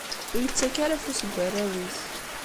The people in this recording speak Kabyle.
Ur ittak ara afus deg warraw-is.